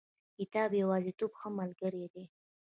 کتاب د یوازیتوب ښه ملګری دی.